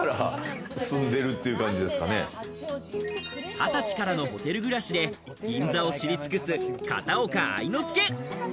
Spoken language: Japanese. ２０歳からのホテル暮らしで銀座を知り尽くす、片岡愛之助。